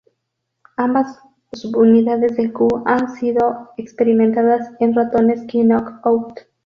Ambas subunidades del Ku han sido experimentadas en ratones knock out.